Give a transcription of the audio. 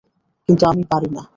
কিন্তু আমি পারি না।